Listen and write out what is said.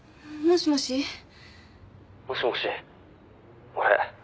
「もしもし？俺」